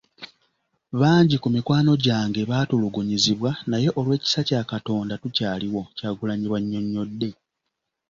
"Bangi ku mikwano gyange baatulugunyizibwa naye olw'ekisa kya Katonda tukyaliwo." Kyagulanyi bw'annyonnyodde.